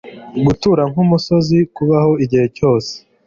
gutura nk'umusozi kubaho igihe cyose